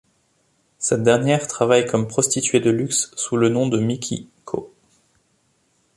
Cette dernière travaille comme prostituée de luxe sous le nom de Miki Ko.